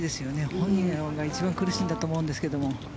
本人が一番苦しいんだと思うんですけども。